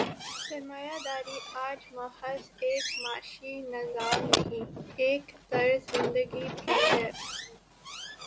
سرمایہ داری آج محض ایک معاشی نظام نہیں، ایک طرز زندگی بھی ہے۔